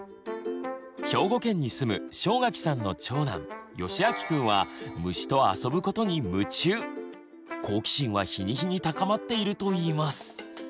兵庫県に住む正垣さんの長男よしあきくんは好奇心は日に日に高まっているといいます。